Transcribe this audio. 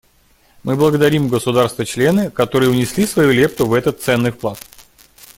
Мы благодарим государства-члены, которые внесли свою лепту в этот ценный вклад.